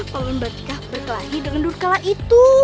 paman badrika berkelahi dengan durkala itu